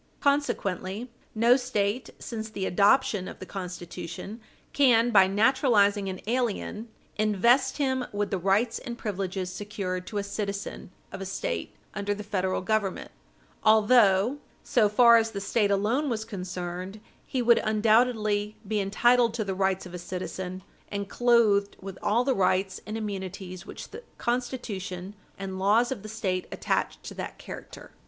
Consequently, no State, since the adoption of the Constitution, can, by naturalizing an alien, invest him with the rights and privileges secured to a citizen of a State under the Federal Government, although, so far as the State alone was concerned, he would undoubtedly be entitled to the rights of a citizen and clothed with all the Page 60 U. S. 406 rights and immunities which the Constitution and laws of the State attached to that character.